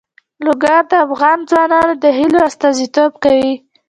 لوگر د افغان ځوانانو د هیلو استازیتوب کوي.